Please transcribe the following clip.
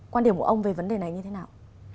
quan điểm của ông về vấn đề này như thế nào